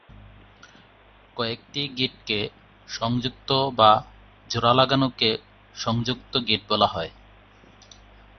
কয়েকটি গিঁটকে সংযুক্ত বা জোড়া লাগানোকে সংযুক্ত গিঁট বলা হয়।